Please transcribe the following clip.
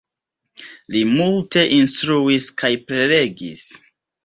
Li multe instruis kaj prelegis.